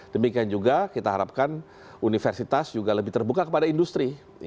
demikian juga kita harapkan universitas juga lebih terbuka kepada industri